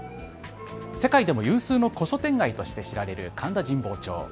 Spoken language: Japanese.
世界でも有数の古書店街として知られる神田神保町。